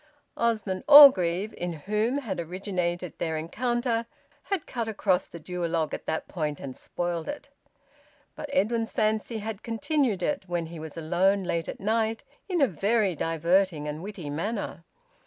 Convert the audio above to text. Osmond Orgreave, in whom had originated their encounter, had cut across the duologue at that point and spoilt it. But Edwin's fancy had continued it, when he was alone late at night, in a very diverting and witty manner.